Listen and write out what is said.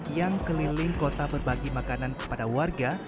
yang keliling kota berbagi makanan kepada warga